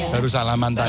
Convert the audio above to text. baru salaman tadi